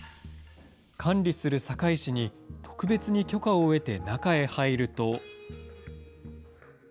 管理する堺市に特別に許可を得て中へ入ると。